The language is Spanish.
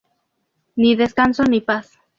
Ni descanso, ni paz!